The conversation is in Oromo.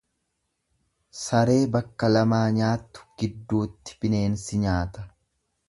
Saree bakka lamaa nyaattu, gidduutti bineensi nyaata.